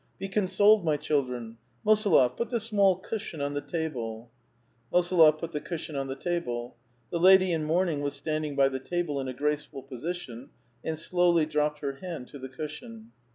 " Be consoled, my childi*en !— Mosolof, put the small cushion on the table." Mosolof put the cushion on the table. The lady in mourn ing was standing by the table, in a graceful position, and slowly dropped her hand to the cushion.